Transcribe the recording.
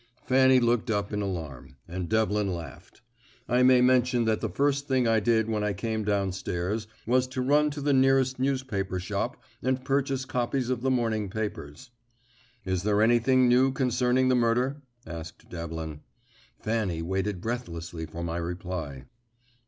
Fanny looked up in alarm, and Devlin laughed. I may mention that the first thing I did when I came down stairs was to run to the nearest newspaper shop and purchase copies of the morning papers. "Is there anything new concerning the murder?" asked Devlin. Fanny waited breathlessly for my reply.